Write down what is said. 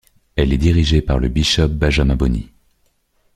Elle est dirigée par le Bishop Benjamin Boni.